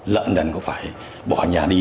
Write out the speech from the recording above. lợn đần có phải bỏ nhà đi